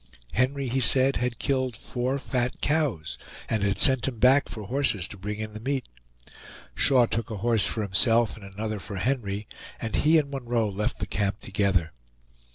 Henry, he said, had killed four fat cows, and had sent him back for horses to bring in the meat. Shaw took a horse for himself and another for Henry, and he and Munroe left the camp together.